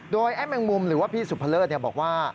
โดยไอ้แมงมุมหรือว่าพี่สุภเลิศบอกว่า